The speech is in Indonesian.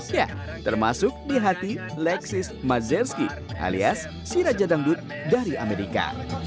ya termasuk di hati lexis mazerski alias siraja dangdut dari amerika